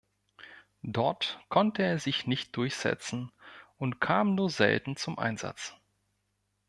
Dort konnte er sich nicht durchsetzen und kam nur selten zum Einsatz.